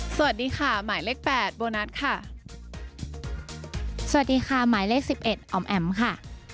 สวัสดีค่ะหมายเลข๙น่ารักค่ะ